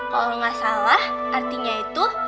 kalau nggak salah artinya itu